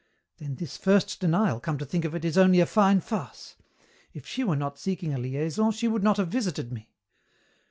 Then, this first denial, come to think of it, is only a fine farce. If she were not seeking a liaison she would not have visited me.